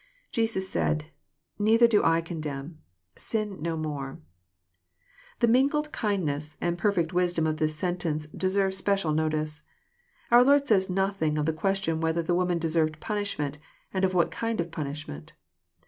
[Jesus said, . .neither do I condemn. ,.sin no more.] The mingled kindness and perfect wisdom of this sentence deserve special notice. Our Lord says nothing of the question whether the woman deserved punishment, and what kind of punishment.